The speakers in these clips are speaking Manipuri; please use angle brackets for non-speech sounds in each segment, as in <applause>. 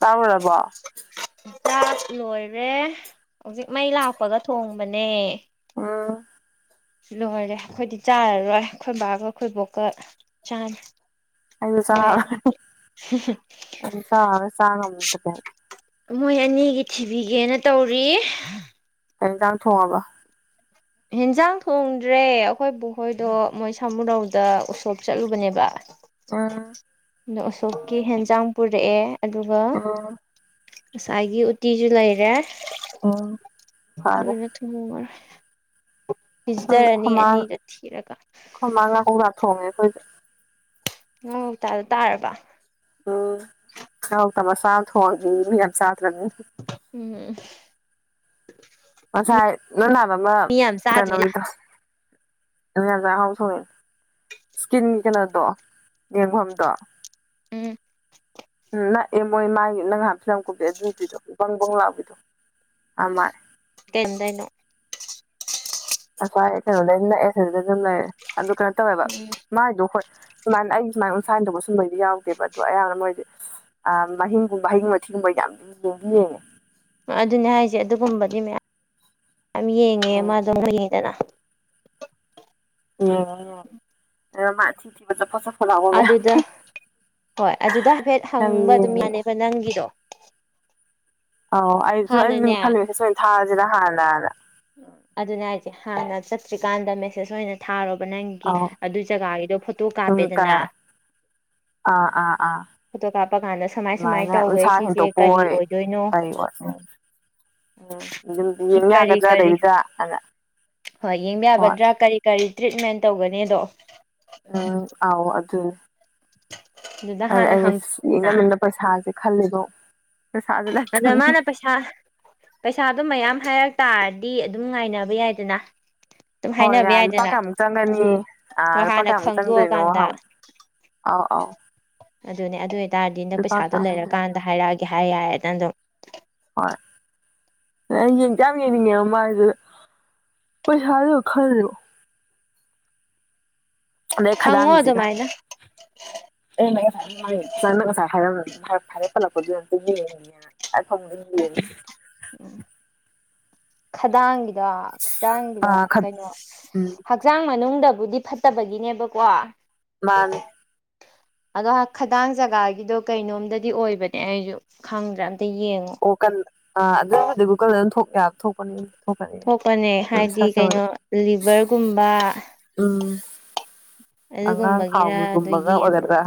ꯇꯥꯔꯨꯔꯕꯣ ꯆꯥꯛ ꯂꯣꯏꯔꯦ ꯍꯧꯖꯤꯛ ꯃꯩ ꯂꯥꯛꯄꯒ ꯊꯣꯡꯕꯅꯦ ꯑꯣ ꯁꯤ ꯂꯣꯏꯔꯦ ꯑꯈꯣꯏꯗꯤ ꯆꯥꯔꯔꯣꯏ ꯑꯈꯣꯏ ꯕꯥꯒ ꯑꯈꯣꯏꯕꯣꯛꯀ ꯆꯥꯅ ꯑꯩꯖꯨ ꯆꯥ ꯑꯩꯁꯨ ꯆꯥꯔꯔꯣꯏ ꯆꯥꯉꯝꯗꯔꯦ ꯃꯣꯏ ꯑꯅꯤꯒꯤ ꯊꯤꯕꯤꯒꯦꯅ ꯇꯧꯔꯤ ꯀꯔꯤ ꯏꯟꯖꯥꯡ ꯊꯣꯡꯉꯕ ꯍꯤꯟꯖꯥꯡ ꯊꯣꯡꯗ꯭ꯔꯦ ꯑꯈꯣꯏ ꯕꯨꯍꯣꯏꯗꯣ ꯃꯣꯏ ꯁꯥꯃꯨꯔꯧꯗ ꯎꯁꯣꯞ ꯆꯠꯂꯨꯕꯅꯦꯕ ꯎꯝ ꯑ ꯎꯁꯣꯞꯀꯤ ꯍꯦꯟꯖꯥꯡ ꯄꯨꯔꯛꯑꯦ ꯑꯗꯨꯒ ꯎꯝ ꯉꯁꯥꯏꯒꯤ ꯎꯇꯤꯁꯨ ꯂꯩꯔꯦ ꯎꯝ ꯐꯔꯦ ꯑꯗꯨꯅ ꯎꯝ ꯃꯔꯣꯢ ꯈꯣꯏ ꯈꯣꯏꯃꯥꯟ ꯑꯅꯤꯗꯣ ꯊꯤꯔꯒ ꯈꯣꯏꯃꯥꯟ ꯉꯥ ꯀꯣꯛꯇ ꯊꯣꯡꯉꯦ ꯑꯈꯣꯏꯖꯨ ꯉꯥꯎꯇ <unintelligible> ꯇꯥꯔꯕ ꯎꯝ ꯉꯥ ꯀꯧꯇꯥ ꯃꯆꯥ ꯑꯃꯥ ꯊꯣꯡꯉꯝꯅꯤ ꯃꯤ ꯌꯥꯝ ꯆꯥꯗ꯭ꯔꯅꯤ ꯎꯝ ꯉꯁꯥꯏ ꯅꯪ ꯍꯥꯏꯕ‌ ꯑꯃ ꯃꯤ ꯌꯥꯝ ꯆꯥꯗ꯭ꯔꯤ ꯀꯩꯅꯣꯒꯤꯗꯣ <unintelligible> ꯁꯣꯡꯉꯦ ꯏꯁꯀꯤꯟ ꯀꯩꯅꯣꯗꯣ ꯌꯦꯡꯐꯝꯗꯣ ꯎꯝ ꯎꯝ ꯅꯛꯑꯦ ꯃꯣꯏ ꯃꯥꯏ ꯅꯪ ꯅꯍꯥꯟ ꯀꯨꯝꯕꯤ ꯑꯗꯨꯏ ꯅꯨꯄꯤꯗꯣ ꯕꯪ ꯕꯪ ꯂꯥꯎꯕꯤꯗꯣ ꯑꯥꯃꯏ <unintelligible> ꯑꯁꯨꯋꯥꯏ ꯀꯩꯅꯣꯗꯩ ꯅꯛꯑꯦ ꯁꯤꯗ ꯑꯗꯨꯝ ꯂꯩꯔꯦ ꯑꯗꯨ ꯀꯩꯅꯣ ꯇꯧꯋꯦꯕ ꯎꯝ ꯃꯥꯏꯗꯣ ꯍꯣꯏ ꯁꯨꯃꯥꯏꯅ ꯑꯩ ꯁꯨꯃꯥꯏꯅ ꯎꯟꯁꯥ ꯍꯦꯟꯗꯣꯛꯄꯩꯗꯤ ꯁꯨꯝꯕꯩꯗꯤ ꯌꯥꯎꯗꯦꯕ ꯑꯗꯣ ꯑꯌꯥꯝꯕꯅ ꯃꯣꯏꯗꯤ ꯑꯥ ꯃꯍꯤꯡꯒꯨꯝꯕ ꯍꯌꯤꯡꯕ ꯊꯤꯒꯨꯝꯕꯩꯗꯤ ꯌꯥꯝꯗꯤ ꯌꯦꯡꯗꯤ ꯌꯦꯡꯉꯦ ꯑꯗꯨꯅꯦ ꯍꯥꯏꯖꯦ ꯑꯗꯨꯒꯨꯝꯕꯗꯤ ꯃꯌꯥꯝ ꯌꯦꯡꯉꯦ ꯎꯝ ꯃꯥꯗꯣ <unintelligible> ꯌꯦꯡꯉꯤꯗꯅ ꯌꯦꯡꯉꯦ ꯍꯥꯏꯔꯣ ꯑꯗꯣ ꯃꯥ ꯊꯤ ꯊꯤꯕ ꯆꯠ ꯆꯐꯣꯠ ꯆꯐꯣꯠ ꯂꯥꯎꯕ ꯃꯌꯥꯝ ꯑꯗꯨꯗ ꯍꯣꯏ ꯑꯗꯨꯗ ꯍꯥꯏꯐꯦꯠ ꯌꯥꯝ ꯍꯪꯕ ꯑꯗꯨꯝ ꯌꯦꯡꯉꯦ ꯌꯥꯅꯦꯕ ꯅꯪꯒꯤꯗꯣ ꯑꯥꯎ ꯑꯩꯖꯨ ꯑꯩꯖꯨ ꯍꯥꯟꯅꯅꯦ ꯈꯜꯂꯤꯕꯅꯤ ꯃꯦꯁꯦꯁ ꯑꯣꯏꯅ ꯊꯥꯔꯖꯤꯅ ꯍꯥꯟꯅꯅ ꯑꯗꯨꯅꯦ ꯍꯥꯏꯁꯦ ꯍꯥꯟꯅ ꯆꯠꯇ꯭ꯔꯤꯀꯥꯟꯗ ꯃꯦꯁꯦꯁ ꯑꯣꯏꯅ ꯊꯥꯔꯣꯕ ꯅꯪꯒꯤ ꯑꯧ ꯑꯗꯨ ꯖꯒꯥꯒꯤꯗꯣ ꯐꯣꯇꯣ ꯁꯨꯝ ꯀꯥꯞꯄꯦꯗꯅ ꯀꯩ ꯑꯥ ꯑꯥ ꯑꯥ ꯐꯣꯇꯣ ꯀꯥꯞꯄ ꯀꯥꯟꯗ ꯁꯨꯃꯥꯏ ꯁꯨꯃꯥꯏꯅ ꯑꯗꯨꯃꯥꯏꯅ ꯎꯟꯁꯥ ꯇꯧꯋꯦ ꯁꯤꯁꯦ ꯍꯦꯟꯇꯣꯛꯄ ꯀꯔꯤ ꯑꯣꯏ ꯑꯣꯏꯗꯣꯏꯅꯣ ꯀꯔꯤꯑꯣꯏ꯫ ꯎꯝ ꯑꯗꯨꯝ ꯌꯦꯡ ꯀꯔꯤ ꯀꯔꯤ ꯌꯥꯒꯗ꯭ꯔꯥꯗꯩꯗꯨꯗꯅ ꯍꯣꯏ ꯌꯦꯡꯕ ꯍꯣꯏ ꯌꯥꯒꯗ꯭ꯔꯥ ꯀꯔꯤ ꯀꯔꯤ ꯇ꯭ꯔꯤꯠꯃꯦꯟ ꯇꯧꯒꯅꯤꯗꯣ ꯎꯝ ꯑꯥꯎ ꯑꯗꯨ ꯑꯗꯨꯗ ꯍꯥꯟꯅ ꯍꯪ <unintelligible> ꯄꯩꯁꯥꯁꯦ ꯈꯜꯂꯦꯕꯣ ꯄꯩꯁꯥꯖꯨ ꯂꯩ ꯑꯗ ꯃꯥꯅ ꯄꯩꯁꯥ ꯄꯩꯁꯥꯗꯨ ꯃꯌꯥꯝ ꯍꯥꯏꯔꯛ ꯇꯥꯔꯗꯤ ꯑꯗꯨꯝ ꯉꯥꯏꯅꯕ ꯌꯥꯏꯗꯅ ꯑꯗꯨꯝ ꯍꯣꯏ ꯍꯥꯏꯅꯕ ꯌꯥꯏ ꯂꯨꯄꯥ ꯌꯥꯏꯗꯅ ꯀꯌꯥꯝ ꯃꯨꯛ ꯆꯪꯅꯤ ꯑ ꯍꯣꯏ ꯑꯜꯄꯥ ꯍꯥꯟꯅ ꯀ ꯆꯪꯗꯣꯏꯅꯣ ꯈꯪꯗꯣꯛꯑꯀꯥꯟꯗ ꯍꯪꯉꯣ꯫ ꯑꯥꯎ ꯑꯥꯎ ꯑꯗꯨꯅꯦ ꯑꯗꯨ ꯑꯣꯏꯇꯥꯔꯗꯤ ꯍꯟꯗꯛ ꯄꯩꯁꯥꯗꯣ ꯀꯌꯥꯃꯨꯛ ꯂꯩꯔꯀꯥꯟꯗ ꯍꯥꯏꯔꯛꯑꯒꯦ ꯍꯥꯏ ꯌꯥꯏꯔꯦꯗꯅ ꯑꯗꯨꯝ꯫ ꯍꯣꯏ ꯑꯗ ꯌꯦꯡꯖꯨ ꯌꯥꯝ ꯌꯦꯡꯅꯤꯡꯉꯦꯕ ꯃꯥꯥꯏꯗꯨ ꯄꯩꯁꯥꯗꯨꯗ ꯈꯜꯂꯤꯔꯣ ꯑꯗꯩ ꯍꯪꯉꯣ ꯈꯗꯥꯡꯒꯤꯖꯤꯒ ꯑꯗꯨꯃꯥꯏꯅ <unintelligible> <unintelligible> ꯎꯝ ꯈꯗꯥꯡꯒꯤꯗꯣ ꯑ ꯈꯗꯥꯡꯒꯤꯗꯣ ꯈꯠ ꯀꯩꯅꯣ ꯎꯝ ꯍꯛꯆꯥꯡ ꯃꯅꯨꯡꯗꯕꯨꯗꯤ ꯐꯠꯇꯕꯒꯤꯅꯦꯕꯀꯣ ꯃꯥꯅꯦ ꯑꯗꯣ ꯈꯗꯥꯡ ꯖꯒꯥꯒꯤꯗꯣ ꯀꯩꯅꯣꯝꯗꯗꯤ ꯑꯣꯏꯕꯅꯦ ꯑꯩꯖꯨ ꯈꯪꯗ꯭ꯔꯦ ꯑꯝꯇ ꯌꯦꯡꯉꯣ ꯑꯣꯀꯟ ꯑꯥ ꯑꯗꯨꯕꯨꯗꯤ ꯒꯨꯒꯜꯗ ꯑꯗꯨꯝ ꯊꯣꯛ ꯌꯥ ꯊꯣꯛꯄꯅꯦ ꯊꯣꯛꯄꯅꯦ ꯍꯥꯏꯗꯤ ꯀꯩꯅꯣ ꯂꯤꯚꯔꯒꯨꯝꯕ ꯎꯝ ꯑꯉꯥꯡ ꯑꯗꯨꯒꯨꯝꯕꯒꯤꯔ ꯑꯗꯨ ꯈꯥꯎꯒꯤꯒꯨꯝꯕꯒ ꯌꯦꯡꯉꯣ ꯑꯣꯏꯒꯗ꯭ꯔꯥ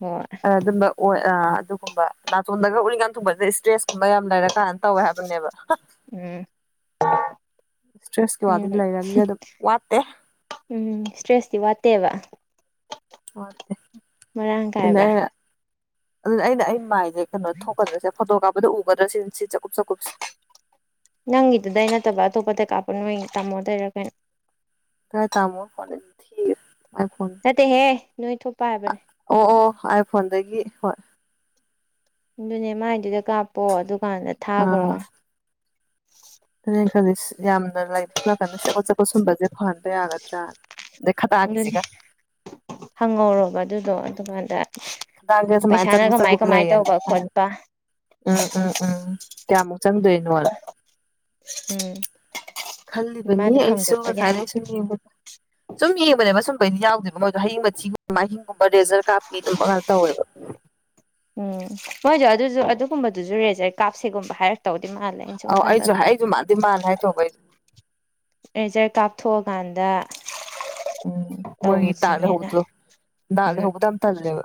ꯍꯣꯏ ꯑꯗꯨꯝꯕ ꯑꯣꯏ ꯑ ꯑꯗꯨꯒꯨꯝꯕ ꯅꯥꯇꯣꯟꯗꯒ ꯎꯔꯤꯡ ꯌꯥꯝ ꯊꯨꯡꯕꯁꯦ ꯏꯁꯇ꯭ꯔꯦꯁꯀꯨꯝꯕ ꯌꯥꯝ ꯂꯩꯔ ꯀꯥꯟ ꯇꯧꯋꯦ ꯍꯥꯏꯕꯅꯦꯕ ꯎꯝ ꯏꯁꯇ꯭ꯔꯦꯁꯀꯤ ꯋꯥꯗꯤ ꯎꯝ ꯂꯩꯔꯝꯅꯤ ꯑꯗꯨꯝ ꯋꯥꯠꯇꯦ ꯎꯝ ꯏꯁꯇ꯭ꯔꯦꯁꯇꯤ ꯋꯥꯠꯇꯦꯕ ꯋꯥꯠꯇꯦ ꯃꯔꯥꯡ ꯑꯗꯨꯅ ꯀꯥꯏꯕ꯭ꯔꯥ ꯑꯩꯅ ꯑꯗꯨꯅ ꯑꯩꯅ ꯑꯩ ꯃꯥꯏꯁꯦ ꯀꯩꯅꯣ ꯊꯣꯛꯀꯗ꯭ꯔꯁꯤ ꯐꯣꯇꯣ ꯀꯥꯞꯄꯗ ꯎꯒꯗ꯭ꯔꯥ ꯁꯤꯅꯤ ꯁꯤ ꯆꯥꯛꯀꯨꯞ ꯆꯥꯛꯀꯨꯞꯁꯤ ꯅꯪꯒꯤꯗꯨꯗꯩ ꯅꯠꯇꯕ ꯑꯇꯣꯞꯄꯗꯩ ꯀꯥꯞꯄꯣ ꯅꯣꯏ ꯇꯥꯃꯣ ꯗꯩꯔ ꯀꯩꯅꯣ ꯀꯥꯏ ꯇꯥꯃꯣ ꯐꯣꯟꯗꯩꯗꯤ ꯊꯤ ꯅꯠꯇꯦꯍꯦ ꯅꯣꯏ ꯊꯣꯛꯄ ꯍꯥꯏꯕꯅꯦ ꯑꯣ ꯑꯣ ꯑꯥꯏꯐꯣꯟꯗꯒꯤ ꯍꯣꯏ ꯑꯗꯨꯅꯦ ꯃꯥꯏꯗꯨꯗ ꯀꯥꯞꯄꯣ ꯗꯨꯀꯥꯟꯗ ꯊꯥꯈ꯭ꯔꯣ ꯑꯥ ꯑꯗꯨꯅꯦ ꯑꯩꯅ ꯈꯜꯂꯤꯁꯤ ꯌꯥꯝꯅ ꯂꯩꯕ ꯁꯣꯝ ꯅꯥꯀꯟꯗ ꯆꯀꯠ ꯆꯀꯠ ꯁꯨꯝꯕꯁꯦ ꯐꯍꯟꯕ ꯌꯥꯒꯗ꯭ꯔꯅꯥ ꯑꯗꯩ ꯑꯗꯨꯅꯦ ꯈꯗꯥꯡꯁꯤꯒ ꯍꯪꯍꯧꯔꯣꯕ ꯑꯗꯨꯗꯣ ꯑꯗꯨꯀꯥꯟꯗ ꯈꯗꯥꯡꯒ ꯁꯨꯃꯥꯏꯅ ꯄꯩꯁꯥꯅ ꯆꯀꯨꯞ ꯀꯃꯥꯏ ꯆꯀꯨꯞ ꯀꯃꯥꯏ ꯂꯩꯌꯦꯅ ꯇꯧꯕ ꯍꯥꯏ ꯈꯣꯠꯄ ꯎꯝ ꯎꯝ ꯎꯝ ꯀꯌꯥꯃꯨꯛ ꯆꯪꯗꯣꯏꯅꯣꯅ ꯎꯝ ꯈꯜꯂꯤꯕꯅꯤ ꯑꯗꯨꯃꯥꯏꯗꯨꯝ ꯍꯪꯗꯣꯛꯄ ꯑꯩꯁꯨꯕ ꯌꯥꯏ ꯊꯥꯏꯅꯩ ꯁꯨꯝ ꯌꯦꯕꯗ ꯁꯨꯝ ꯌꯦꯡꯕꯅꯦꯕ ꯁꯨꯝꯕꯩꯁꯦ ꯌꯥꯎꯗꯦꯕ ꯃꯣꯏꯗꯣ ꯍꯌꯤꯡ ꯃꯊꯤꯒꯨꯝꯕ ꯃꯍꯤꯡꯒꯨꯝꯕ ꯔꯦꯖꯔ ꯀꯥꯞꯄꯤ ꯑꯗꯨꯝꯕ ꯉꯥꯛ ꯇꯧꯋꯦꯕ ꯎꯝ ꯃꯣꯏꯗꯣ ꯑꯗꯨꯁꯨ ꯑꯗꯨꯒꯨꯝꯕꯗꯨꯁꯨ ꯔꯦꯖꯔ ꯀꯥꯞꯁꯦꯒꯨꯝꯕ ꯍꯥꯏꯔꯛ ꯇꯧꯗꯤ ꯃꯥꯥꯜꯂꯤ ꯑꯧ ꯑꯩꯁꯨ ꯍꯥꯏ ꯑꯩꯁꯨ ꯃꯥꯗꯤ ꯃꯥꯜꯂꯦ ꯍꯥꯏ ꯇꯧꯕ ꯑꯩꯁꯨ ꯔꯦꯖꯔ ꯀꯥꯞꯊꯣꯛꯑꯀꯥꯟꯗ ꯎꯝ ꯃꯣꯏꯒꯤ ꯗꯥꯛ ꯇꯧꯔꯁꯤꯅ ꯂꯩꯍꯧꯕꯗꯣ ꯗꯥꯛ ꯎꯝ ꯂꯩꯍꯧꯕꯗꯣ ꯌꯥꯝ ꯇꯜꯂꯦꯕ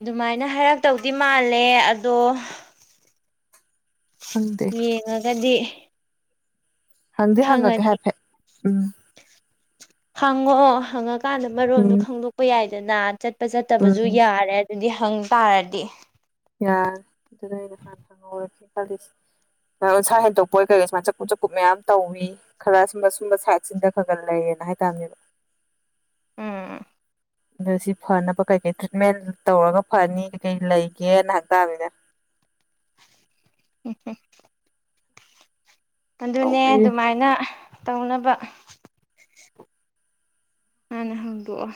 ꯑꯗꯨꯃꯥꯏꯅ ꯍꯥꯏꯔꯛꯇꯧꯗꯤ ꯃꯥꯜꯂꯦ ꯑꯗꯣ ꯈꯪꯗꯦ ꯌꯦꯡꯉꯒꯗꯤ ꯍꯪꯗꯤ ꯈꯪꯉꯅꯤ ꯍꯪꯉꯒꯦ ꯍꯥꯏꯐꯦꯠ ꯎꯝ ꯍꯪꯉꯛꯑꯣ ꯍꯪꯉꯀꯥꯟꯗ ꯃꯔꯣꯟꯗꯣ ꯎꯝ ꯈꯪꯗꯣꯛꯄ ꯌꯥꯏꯗꯅ ꯆꯠꯄ ꯆꯠꯇꯕꯁꯨ ꯎꯝ ꯌꯥꯔꯦ ꯑꯗꯨꯗꯤ ꯍꯪ ꯇꯥꯔꯗꯤ ꯌꯥꯔꯦ ꯑꯗꯨꯅ ꯑꯩꯁꯨ ꯍꯥꯟꯅ ꯍꯪꯍꯧꯔ ꯈꯜꯂꯤꯁꯦ ꯎꯁꯥ ꯍꯦꯟꯗꯣꯛꯄ ꯑꯣꯏ ꯀꯩꯑꯣꯏ ꯁꯨꯃꯥꯏ ꯆꯀꯨꯞ ꯆꯀꯨꯞ ꯃꯌꯥꯝ ꯇꯧꯏ ꯈꯔ ꯁꯨꯝꯕ ꯁꯨꯝꯕ ꯁꯥꯏꯠꯁꯤꯗ ꯈꯔ꯭ꯒ ꯂꯩꯌꯦꯅ ꯍꯥꯏꯇꯥꯥꯕꯅꯤꯅꯦ ꯎꯝ ꯑꯣ ꯁꯤ ꯐꯅꯕ ꯀꯩꯀꯩ ꯇ꯭ꯔꯤꯠꯃꯦꯟ ꯇꯧꯔꯒ ꯐꯅꯤ ꯀꯩꯀꯩ ꯂꯩꯒꯦꯅ ꯍꯪꯇꯥꯕꯅꯤꯅꯦ ꯎꯝ ꯎꯝ ꯑꯗꯨꯅꯦ ꯇꯧꯔꯤ ꯑꯗꯨꯃꯥꯏꯅ ꯇꯧꯅꯕ ꯍꯥꯟꯅ ꯍꯪꯗꯣꯛꯑꯣ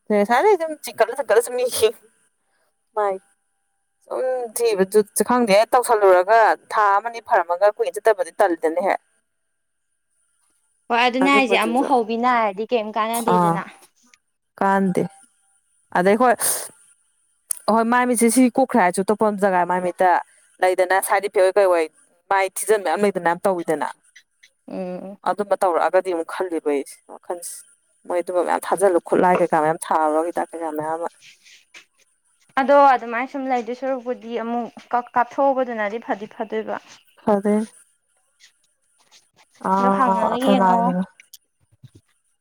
inaudible ꯁꯨꯝ ꯊꯤꯕ ꯖꯨꯠꯁꯦ ꯈꯪꯗꯦ ꯍꯦꯛ ꯇꯧꯁꯜꯂꯨꯔꯒ ꯊꯥ ꯑꯃꯅꯤ ꯐꯔꯝꯃꯒ ꯀꯨꯏꯅ ꯆꯠꯇꯕꯗꯤ ꯇꯜꯂꯤꯗꯅꯍꯦꯛ inaudible ꯍꯣꯏ ꯑꯗꯨꯅꯦ ꯍꯥꯏꯁꯦ ꯑꯃꯨꯛ ꯑꯗꯨꯝꯕꯗꯨꯁꯨ ꯍꯧꯕꯤ ꯅꯥꯔꯗꯤ ꯀꯩꯝ ꯑꯥ ꯀꯥꯟꯅꯗꯦꯗꯅ ꯀꯥꯟꯗꯦ ꯑꯗꯣ ꯍꯣꯏ ꯍꯣꯏ ꯃꯥꯟꯅꯦ ꯃꯤꯠꯁꯦ ꯁꯤ ꯀꯣꯛꯈ꯭ꯔꯦ ꯍꯥꯏꯔꯁꯨ ꯑꯇꯣꯞꯄ ꯑꯃ ꯖꯒꯥ ꯃꯥꯏ ꯃꯤꯠꯇ ꯂꯩꯗꯅ ꯁꯥꯏꯠ ꯏꯐꯦꯛ ꯑꯣꯏ ꯀꯩ ꯑꯣꯏ ꯃꯥꯏ ꯊꯤꯖꯟ ꯃꯌꯥꯝ ꯂꯩꯗꯅ ꯌꯥꯝ ꯇꯧꯋꯤꯗꯅ ꯎꯝ ꯑꯗꯨꯝꯕ ꯇꯧꯔꯛꯑꯒꯗꯤ ꯑꯃꯨꯛ ꯈꯜꯂꯤꯕ ꯑꯩꯁꯤ ꯋꯥꯈꯜꯁꯤ ꯃꯣꯏ ꯑꯗꯨꯝꯕ ꯃꯌꯥꯝ ꯊꯥꯖꯤꯜꯂꯨ ꯈꯨꯠꯂꯥꯏ ꯀꯩꯀꯥ ꯃꯌꯥꯝ ꯊꯥꯔꯨꯔꯒ ꯍꯤꯗꯥꯛ ꯀꯩꯀꯥ ꯃꯌꯥꯝ ꯑꯃ ꯑꯗꯣ ꯑꯗꯨꯃꯥꯏꯟ ꯁꯨꯝ ꯂꯩꯗꯣꯏ ꯁꯔꯨꯛꯄꯨꯗꯤ ꯑꯃꯨꯛ ꯀꯛ ꯀꯥꯞꯊꯣꯛꯎꯕꯗꯨꯅꯗꯤ ꯐꯗꯤ ꯐꯗꯣꯏꯕ ꯐꯗꯣꯏꯅꯤ ꯑ ꯑꯗꯣ ꯍꯪꯉꯒ ꯌꯦꯡꯉꯣ ꯀꯅꯥꯒꯤꯅꯣ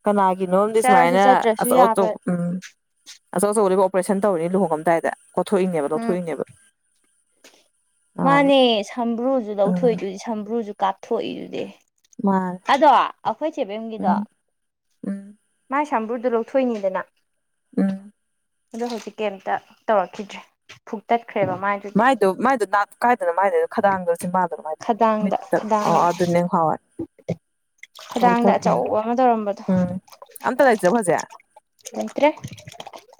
ꯀꯅꯥꯒꯤꯅꯣꯝꯗꯤ ꯆꯠꯂꯁꯨ ꯁꯨꯃꯥꯏꯅ ꯆꯠꯇ꯭ꯔꯁꯨ ꯑꯆꯧ ꯌꯥꯕ ꯑꯆꯧꯕ ꯎꯝ ꯑꯆꯧ ꯑꯆꯧꯕꯅꯤꯕꯨ ꯑꯣꯄ꯭ꯔꯦꯁꯟ ꯇꯧꯔꯤꯅꯤ ꯂꯨꯍꯣꯡꯉꯝꯗꯥꯏꯗ ꯀꯣꯊꯣꯛꯏꯅꯦꯕ ꯎꯝ ꯂꯧꯊꯣꯛꯏꯅꯦꯕ ꯑꯥ ꯃꯥꯅꯦ ꯁꯝꯕ꯭ꯔꯨꯖꯨ ꯎꯝ ꯂꯧꯊꯣꯛꯏꯗꯨꯗꯤ ꯁꯝꯕ꯭ꯔꯨꯖꯨ ꯀꯥꯞꯊꯣꯛꯏꯗꯨꯗꯤ ꯃꯥꯅꯦ ꯑꯗꯣ ꯑꯈꯣꯏ ꯆꯦꯕꯦꯝꯒꯤꯗꯣ ꯎꯝ ꯎꯝ ꯃꯥꯏ ꯁꯝꯕ꯭ꯔꯨꯗꯨ ꯂꯧꯊꯣꯛꯏꯅꯤꯗꯅ ꯎꯝ ꯑꯗꯣ ꯍꯧꯖꯤꯛ ꯀꯩꯝꯇ ꯇꯧꯔꯛꯈꯤꯗ꯭ꯔꯦ ꯐꯨꯛꯇꯠꯈ꯭ꯔꯦꯕ ꯃꯥꯥꯏ ꯃꯥꯏꯗꯣ ꯃꯥꯏꯗꯨ ꯅꯥꯠ ꯀꯥꯏꯗꯅ ꯃꯥꯥꯏꯗꯨꯅ ꯈꯗꯥꯡꯗꯥꯔ ꯆꯤꯟꯕꯥꯜꯗꯔꯣ ꯃꯥꯏꯗꯨꯕꯨ ꯈꯗꯥꯡꯗ ꯃꯤꯠꯇꯔꯥ ꯈꯗꯥꯡ ꯑꯣ ꯑꯗꯨꯅꯦ ꯉꯍꯥꯋꯥꯏ ꯈꯗꯥꯡꯗ ꯂꯧꯊꯣꯛꯈꯤꯝꯅꯦ ꯑꯆꯧꯕ ꯑꯃ ꯇꯧꯔꯝꯕꯗꯣ ꯎꯝ ꯑꯝꯇ ꯂꯩꯇ꯭ꯔꯕ ꯍꯧꯖꯤꯛ ꯂꯩꯇ꯭ꯔꯦ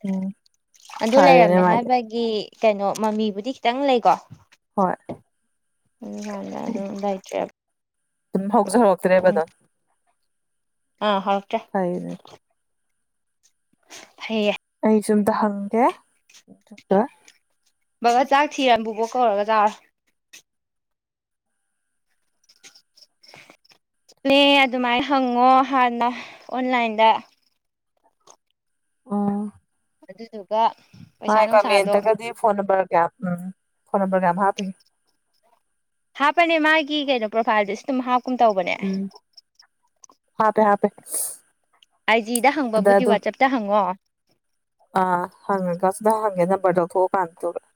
ꯎꯝ ꯑꯗꯨ ꯐꯔꯦꯅꯦ ꯂꯩꯔꯝꯃꯦ ꯃꯥꯗꯤ ꯍꯥꯏꯕꯒꯤ ꯀꯩꯅꯣ ꯃꯃꯤꯕꯨꯗꯤ ꯈꯤꯇꯪ ꯂꯩꯀꯣ ꯍꯣꯏ <unintelligible> ꯑꯗꯨ ꯂꯩꯇ꯭ꯔꯦꯕ ꯑꯗꯨꯝ ꯍꯧꯖꯨ ꯍꯧꯔꯠꯇ꯭ꯔꯦꯕ ꯑꯗꯣ ꯑ ꯍꯧꯔꯛꯇ꯭ꯔꯦ <unintelligible> ꯍꯩꯌꯦ ꯑꯩꯖꯨ ꯑꯝꯇ ꯍꯪꯒꯦ ꯑꯗꯨꯒ ꯕꯥꯕꯥ ꯆꯥꯛ ꯊꯤꯔꯝ ꯕꯨꯕꯣꯛ ꯀꯧꯔꯒ ꯆꯥꯔꯣ ꯏꯁꯄ꯭ꯂꯦ ꯑꯗꯨꯃꯥꯏꯟ ꯍꯪꯉꯣ ꯍꯥꯟꯅ ꯑꯣꯟꯂꯥꯏꯟꯗ ꯑꯣ ꯑꯗꯨꯗꯨꯒ ꯄꯩꯁꯥ ꯃꯥꯏ ꯅꯨꯡꯁꯥꯗꯣ ꯀꯃꯦꯟꯇꯒꯗꯤ ꯐꯣꯟ ꯅꯝꯕꯔꯒ ꯀꯌꯥꯝ ꯎꯝ ꯐꯣꯟ ꯅꯝꯕꯔꯒ ꯌꯥꯝ ꯍꯥꯞꯄꯤ ꯍꯥꯞꯄꯅꯦ ꯃꯥꯒꯤ ꯀꯩꯅꯣ ꯄ꯭ꯔꯣꯐꯥꯏꯜꯗꯁꯨ ꯑꯗꯨꯝ ꯍꯥꯞ ꯎꯝ ꯍꯥꯞꯄꯦ ꯍꯥꯞꯄꯦ ꯑꯥꯏ ꯖꯤꯗ ꯑꯗ ꯍꯪꯕꯕꯨꯗꯤ ꯑꯗꯨꯝ ꯋꯥꯆꯞꯇ ꯍꯪꯉꯣ ꯑꯥ ꯍꯪꯉꯒꯥ ꯁꯤꯗ ꯍꯪꯒꯦ ꯅꯝꯕ꯭ꯔꯥꯗꯣ ꯂꯧꯊꯣꯛꯑꯀꯥꯟ ꯇꯧꯔꯒ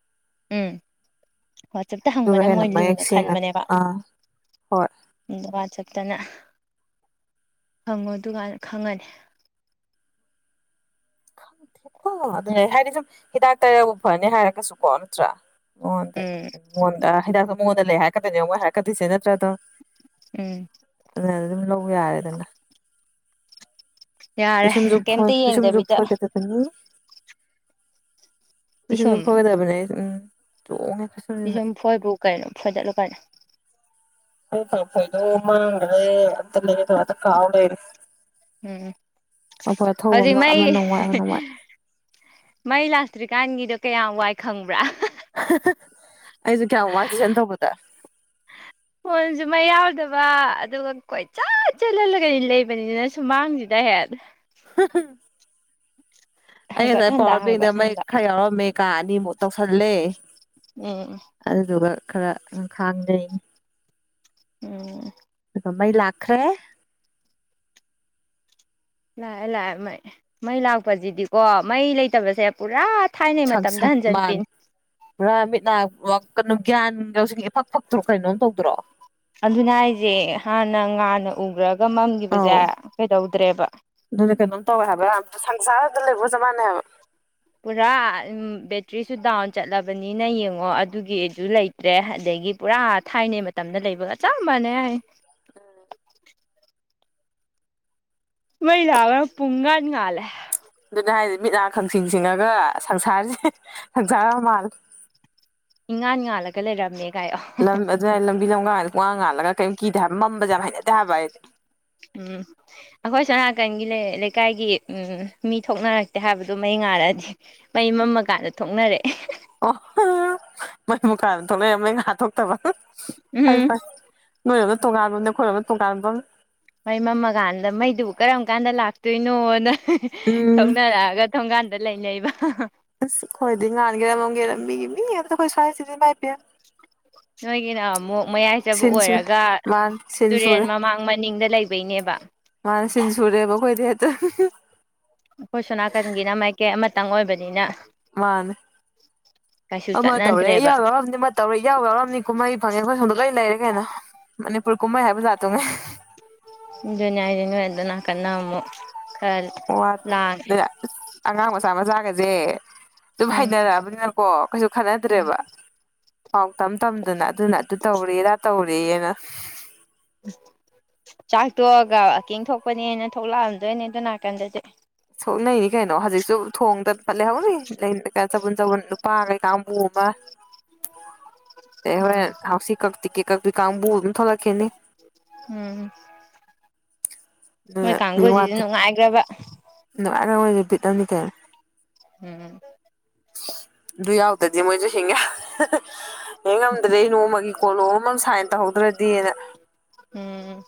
ꯎꯝ ꯋꯥꯆꯞꯇ ꯑꯗꯨꯒ ꯍꯪꯕꯅ ꯍꯦꯟꯅ ꯃꯣꯏ ꯃꯌꯦꯛ ꯂꯨꯅ ꯁꯦꯡꯉꯅꯤ ꯈꯟꯕꯅꯦꯕ ꯑꯥ ꯍꯣꯏ ꯎꯝ ꯋꯥꯆꯞꯇꯅ ꯍꯪꯉꯣ ꯑꯗꯨꯒꯥꯟ ꯈꯪꯉꯅꯤ ꯈꯪꯗꯦ ꯍꯨꯡ ꯑꯗꯨꯅꯦ ꯍꯥꯏꯗꯤ ꯁꯨꯝ ꯍꯤꯗꯥꯛ ꯇꯩꯔꯕꯨ ꯐꯅꯤ ꯍꯥꯏꯔꯒꯁꯨꯀꯣ ꯅꯠꯇ꯭ꯔꯥ ꯃꯉꯣꯟꯗ ꯎꯝ ꯃꯉꯣꯟꯗ ꯑ ꯍꯤꯗꯥꯛꯇꯣ ꯃꯉꯣꯟꯗ ꯂꯩ ꯍꯥꯏꯔꯛꯀꯗꯣꯏꯅꯦ ꯃꯣꯏ ꯍꯥꯏꯔꯛꯀꯗꯣꯏꯁꯦ ꯅꯠꯇ꯭ꯔꯗꯣ ꯎꯝ ꯑꯗꯨꯅ ꯑꯗꯨꯝ ꯂꯧꯕ ꯌꯥꯔꯦꯗꯅ ꯌꯥꯔꯦ ꯄꯤꯁꯨꯝꯖꯨ ꯐꯣꯏ ꯀꯩꯝꯇ ꯄꯤꯁꯨꯝꯖꯨ ꯌꯦꯡꯗꯕꯤꯗ ꯐꯣꯏꯒꯗꯕꯅꯤ ꯄꯤꯁꯨꯝꯖꯨ ꯄꯤꯁꯨꯝ ꯐꯣꯏꯒꯗꯕꯅꯤ ꯎꯝ ꯆꯣꯡꯉꯦ ꯄꯤꯁꯨꯝ ꯐꯣꯏꯕꯨ ꯀꯩꯅꯣ ꯐꯣꯏꯗꯠꯂꯨ ꯀꯩꯅꯣ <unintelligible> <unintelligible> ꯀꯥꯎꯂꯩꯔꯦ ꯎꯝ ꯑꯥꯈꯣꯏ ꯑꯊꯧꯕ ꯍꯧꯖꯤꯛ ꯑꯃ ꯃꯩ ꯑꯃ ꯋꯥꯏ ꯑꯃ ꯋꯥꯏ ꯃꯩ ꯂꯥꯛꯇ꯭ꯔꯤꯀꯥꯟꯒꯤꯗꯣ ꯀꯌꯥꯝ ꯋꯥꯏ ꯈꯪꯕ꯭ꯔꯥ ꯑꯩꯁꯨ ꯀꯌꯥꯝ ꯋꯥ ꯇꯨꯏꯁꯟꯇꯧꯕꯗ ꯐꯣꯟꯁꯨ ꯃꯩ ꯌꯥꯎꯗꯕ ꯑꯗꯨꯒ ꯀꯣꯏꯆꯠ ꯆꯠꯂ ꯂꯩ ꯂꯩꯕꯅꯤꯅ ꯁꯨꯃꯥꯡꯁꯤꯗ ꯍꯦꯛ <unintelligible> ꯑꯩ ꯍꯪꯒꯠ ꯉꯁꯥꯏ ꯍꯟꯗ ꯄꯋꯥꯔ ꯕꯦꯡꯗ ꯍꯪꯒꯠ ꯃ ꯍꯟꯗ ꯈꯔ ꯌꯥꯎꯔꯝꯃꯦ ꯀꯥ ꯑꯅꯤꯃꯨꯛ ꯇꯧꯁꯜꯂꯦ ꯎꯝ ꯑꯗꯨꯗꯨꯒ ꯈꯔ ꯈꯥꯡꯅꯩ ꯎꯝ ꯑꯗꯨꯒ ꯃꯩ ꯂꯥꯛꯈ꯭ꯔꯦ ꯂꯥꯛꯑꯦ ꯂꯥꯛꯑꯦ ꯃꯩ ꯃꯩ ꯂꯥꯛꯄꯁꯤꯗꯤꯀꯣ ꯃꯩ ꯂꯩꯇꯕꯁꯦ ꯄꯨꯔꯥ ꯊꯥꯏꯅꯩ ꯃꯇꯝꯗ ꯁꯪꯁꯥ ꯃꯥꯅꯦ ꯍꯟꯖꯤꯟꯕꯤꯅꯤ ꯄꯨꯔꯥ ꯃꯤꯠꯅꯥ ꯀꯩꯅꯣ ꯒ꯭ꯌꯥꯟ ꯂꯧꯁꯤꯡ ꯏꯐꯛ ꯐꯛꯇ꯭ꯔꯣ ꯀꯩꯅꯣꯝ ꯇꯧꯗ꯭ꯔꯣ ꯑꯗꯨꯅ ꯍꯥꯏꯁꯦ ꯍꯥꯟꯅ ꯉꯥꯟꯅ ꯎꯒ꯭ꯔꯒ ꯑꯧ ꯃꯝꯒꯤꯕꯁꯦ ꯀꯩꯗꯧꯗ꯭ꯔꯦꯕ ꯑꯗꯨꯅ ꯀꯩꯅꯣꯝ ꯇꯧꯔ ꯍꯥꯏꯕ ꯁꯪꯁꯥꯔ ꯑꯃꯗ ꯂꯩꯕꯒꯆꯞꯃꯥꯟꯅꯦ ꯍꯥꯏꯕ ꯄꯨꯔꯥ ꯕꯦꯇ꯭ꯔꯤꯁꯨ ꯗꯥꯎꯟ ꯆꯠꯂꯕꯅꯤꯅ ꯌꯦꯡꯉꯣ ꯑꯗꯨꯒꯤꯁꯨ ꯂꯩ ꯇꯔꯦ ꯑꯗꯒꯤ ꯄꯨꯔꯥ ꯊꯥꯏꯅꯩ ꯃꯇꯝꯗ ꯂꯩꯕꯒ ꯆꯞ ꯃꯥꯟꯅꯦ ꯍꯥꯏ <inaudible> ꯃꯩ ꯂꯕ ꯄꯨꯡꯉꯟ ꯉꯜꯂꯦ ꯑꯗꯨꯅꯦ ꯍꯥꯏꯗꯤ ꯃꯤꯠꯅꯥ ꯈꯪꯁꯤꯡ ꯁꯤꯡꯉꯒ ꯁꯪꯁꯥꯔꯁꯦ ꯁꯪꯁꯥꯔ ꯃꯥꯜꯂꯦ ꯏꯉꯥꯟ ꯉꯥꯜꯂꯒ ꯂꯩꯔꯝꯃꯦ ꯀꯥꯏꯌꯣ ꯂꯝ ꯑꯗꯨꯋꯥꯏ ꯂꯝꯕꯤ ꯂꯝꯀꯗ ꯄꯨꯡꯉꯥꯡ ꯉꯥꯜꯂ ꯀꯩꯝ ꯀꯤꯗꯦ ꯍꯥꯏꯕ ꯃꯝꯕꯁꯦ ꯌꯥꯝ ꯍꯩꯅꯗꯦ ꯍꯥꯏꯕ ꯑꯩ ꯎꯝ ꯑꯩꯈꯣꯏ ꯁꯣꯅꯥꯀꯟꯒꯤ ꯂꯩꯀꯥꯏꯒꯤ ꯃꯤ ꯎꯝ ꯊꯣꯛꯅꯔꯛꯇꯦ ꯍꯥꯏꯕꯗꯨ ꯃꯩ ꯉꯥꯟꯂꯗꯤ ꯃꯩ ꯃꯝꯃꯀꯥꯟꯗ ꯊꯣꯛꯅꯔꯑꯦ ꯑꯣꯍꯣ ꯃꯝꯃ ꯀꯥꯟ ꯊꯣꯛꯂꯑꯦ ꯃꯩ ꯉꯥꯟ ꯊꯣꯛ ꯇꯕ ꯐꯩ ꯎꯝ ꯐꯩ ꯅꯣꯏꯔꯣꯝꯗ ꯇꯣꯉꯥꯟꯕ ꯑꯝꯅꯤ ꯑꯩꯈꯣꯏꯔꯣꯝꯗ ꯇꯣꯉꯥꯟꯕ ꯑꯝꯅꯤ ꯃꯩ ꯃꯝꯃꯀꯥꯟꯗ ꯃꯩꯗꯨꯕꯨ ꯀꯔꯝ ꯀꯥꯟꯗ ꯂꯥꯛꯇꯣꯏꯅꯣꯅ ꯎꯝ ꯁꯧꯅꯔꯛꯑꯒ ꯊꯣꯡꯒꯥꯟꯗ ꯂꯩꯅꯩꯕ ꯑꯁ ꯑꯩꯈꯣꯏꯗꯤ ꯉꯥꯟꯒꯦꯔꯥ ꯃꯝꯒꯦꯔꯥ ꯃꯤꯒꯤ ꯃꯤ ꯉꯥꯛꯇ ꯑꯩꯈꯣꯏ ꯁ꯭ꯋꯥꯏꯁꯤꯗꯤ ꯏꯃꯥꯏ ꯄꯦꯝꯃ ꯅꯣꯏꯒꯤꯅ ꯑꯃꯨꯛ ꯃꯌꯥꯏ ꯆꯕꯨꯛ ꯁꯤꯟ ꯁꯨꯔꯦ ꯑꯣꯏꯔꯒ ꯃꯥꯅꯦ ꯁꯤꯟ ꯇꯨꯔꯦꯜ ꯁꯨꯔꯦ ꯃꯃꯥꯡ ꯃꯅꯤꯡꯗ ꯂꯩꯕꯩꯅꯦꯕ ꯃꯥꯅꯦ ꯁꯤꯟ ꯁꯨꯔꯦꯕ ꯑꯩꯈꯣꯏꯗꯤ ꯍꯦꯛꯇ ꯑꯩꯈꯣꯏ ꯁꯣꯅꯥꯀꯟꯒꯤꯅ ꯃꯥꯏꯀꯩ ꯑꯃꯇꯪ ꯑꯣꯏꯕꯅꯤꯅ ꯃꯥꯅꯦ ꯀꯩꯁꯨ ꯑꯃ ꯇꯧꯔꯦ ꯆꯠꯅꯗ꯭ꯔꯦꯕ ꯏꯌꯥꯎ ꯌꯥꯎꯔꯝꯅꯤ ꯇꯧꯔꯦ ꯌꯥꯎ ꯌꯥꯎꯔꯝꯅꯤ ꯀꯨꯝꯍꯩ ꯐꯪꯉꯦ ꯑꯩꯈꯣꯏ ꯁꯣꯝ ꯂꯣꯏ ꯂꯩꯔꯦ ꯀꯩꯅꯣ ꯃꯅꯤꯄꯨꯔ ꯀꯨꯝꯍꯩ ꯍꯥꯏꯕ ꯖꯥꯠꯇꯨꯒꯩ ꯑꯗꯨꯅꯦ ꯍꯥꯏꯁꯦ ꯅꯣꯏ ꯑꯗꯣꯝ ꯅꯥꯀꯟꯅ ꯑꯃꯨꯛ ꯈꯔ ꯋꯥꯠꯇꯦ ꯂꯥꯡꯉꯦ ꯑꯗꯨꯅ ꯑꯁ ꯑꯉꯥꯡ ꯃꯆꯥ ꯃꯆꯥꯒꯁꯦ ꯁꯨꯝ ꯎꯝ ꯍꯩꯅꯔꯛꯑꯕꯅꯤꯅꯀꯣ ꯀꯩꯁꯨ ꯎꯝ ꯈꯅꯗ꯭ꯔꯦꯕ ꯄꯥꯎ ꯇꯝ ꯇꯝꯗꯅ ꯑꯗꯨꯅ ꯑꯗꯨ ꯇꯧꯔꯦ ꯑꯗꯥ ꯇꯧꯔꯦꯅ ꯎꯆꯥꯛ ꯇꯣꯛꯑꯒ ꯋꯀꯤꯡ ꯊꯣꯛꯄꯅꯦꯅ ꯊꯣꯛꯂꯛꯑꯝꯗꯣꯏꯅꯦ ꯑꯗꯨ ꯅꯥꯀꯟꯗꯗꯤ ꯁꯣꯛꯅꯩꯅꯤ ꯀꯩꯅꯣ ꯍꯧꯖꯤꯛꯁꯨ ꯊꯣꯡꯗ ꯂꯩꯍꯧꯔꯤ ꯆꯕꯨꯟ ꯆꯕꯨꯟ ꯅꯨꯄꯥ ꯀꯩꯀꯥ <unintelligible> ꯎꯝ ꯍꯣꯔꯦꯟ ꯍꯥꯎꯁꯤ ꯀꯛ ꯇꯤꯀꯦꯠ ꯀꯛꯄꯤ ꯀꯥꯡꯕꯨ ꯑꯃ ꯊꯣꯛꯂꯛ ꯎꯝ ꯃꯣꯏ ꯑꯗꯨꯅ ꯃꯤ ꯀꯥꯡꯒꯨꯖꯤꯖꯨ ꯋꯥꯠꯇꯦ ꯅꯨꯡꯉꯥꯏꯒ꯭ꯔꯕ <unintelligible> ꯎꯝ ꯑꯗꯨ ꯌꯥꯎꯇꯗꯤ ꯃꯣꯏꯁꯨ ꯍꯤꯡꯉꯦ ꯍꯤꯡ ꯉꯝꯗ꯭ꯔꯦ ꯅꯣꯡꯃꯒꯤ ꯀꯣꯂꯣꯝ ꯑꯃ ꯁꯥꯏꯟ ꯇꯧꯍꯧꯗ꯭ꯔꯗꯤꯅ ꯎꯝ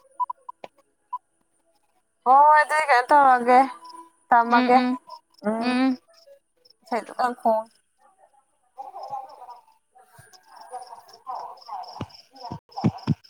ꯍꯣꯏ ꯍꯣꯏ ꯑꯗꯨꯗꯤ ꯀꯩꯅꯣ ꯇꯧꯔꯒꯦ ꯎꯝ ꯊꯝꯃꯒꯦ ꯎꯝ ꯎꯝ ꯢꯁꯩꯖꯨ ꯀꯟꯅ ꯈꯣꯡꯢ <unintelligible>